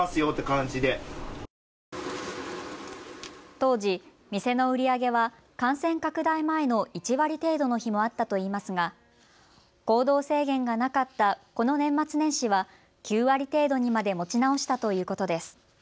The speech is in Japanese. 当時、店の売り上げは感染拡大前の１割程度の日もあったといいますが行動制限がなかったこの年末年始は９割程度にまで持ち直したということです。